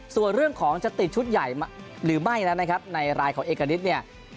ส่วนเรื่องของจะติดชุดใหญ่หรือไม่แล้วนะครับในรายของเอกณิตเนี่ย